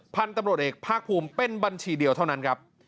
พันธุ์ตำรวจเอกภาคภูมิเป็นบัญชีเดียวเท่านั้นครับ